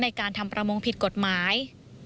ในการทำประมงผิดกฎหมาย